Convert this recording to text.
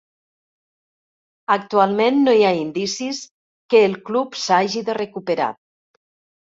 Actualment no hi ha indicis que el club s'hagi de recuperar.